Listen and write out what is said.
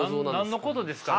何のことですかね？